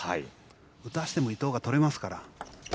打たせても伊藤がとれますから。